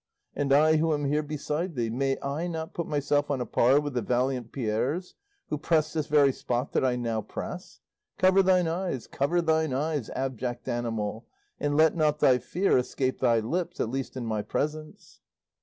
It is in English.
And I who am here beside thee, may I not put myself on a par with the valiant Pierres, who pressed this very spot that I now press? Cover thine eyes, cover thine eyes, abject animal, and let not thy fear escape thy lips, at least in my presence."